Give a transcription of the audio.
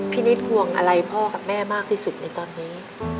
พี่นิทความห่วงอะไรพอกับแม่มากที่สุดในตอนนี้